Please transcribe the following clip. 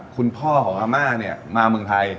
คุณพ่อของอาม่าเนี่ยมาเมืองไทย